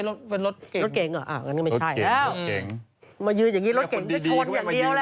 รถเก่งอ่ะอันนี้ไม่ใช่แล้วมายืนอย่างนี้รถเก่งไม่ชนอย่างเดียวแหละ